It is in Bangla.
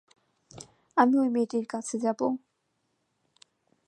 আমি ঐ মেয়েটির কাছে যাব।